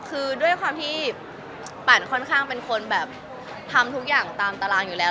คือด้วยความที่ปั่นค่อนข้างเป็นคนแบบทำทุกอย่างตามตารางอยู่แล้ว